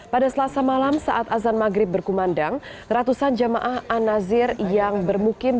pada selasa malam saat azan maghrib berkumandang ratusan jamaah an nazir yang bermukim